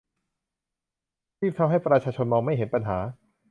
รีบทำให้ประชาชนมองไม่เห็นปัญหา